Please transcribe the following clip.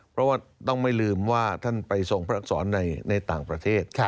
เพราะว่าต้องไม่ลืมว่าท่านไปทรงพระอักษรในต่างประเทศ